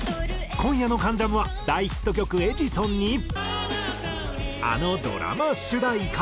今夜の『関ジャム』は大ヒット曲『エジソン』にあのドラマ主題歌。